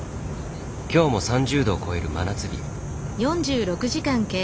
今日も３０度を超える真夏日。